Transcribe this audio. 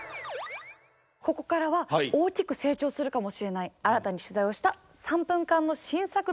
ここからは大きく成長するかもしれない新たに取材をした３分間の新作ドキュメンタリーです。